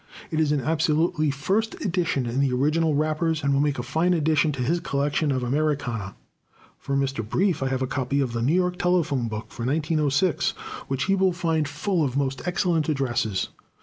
It is an absolutely first edition, in the original wrappers, and will make a fine addition to his collection of Americana. For Mr. Brief I have a copy of the New York Telephone Book for 1906, which he will find full of most excellent addresses.